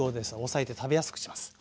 抑えて食べやすくします。